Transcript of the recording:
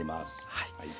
はい。